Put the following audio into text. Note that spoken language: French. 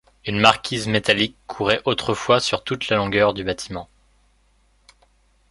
Une marquise métallique courait autrefois sur toute la longueur du bâtiment.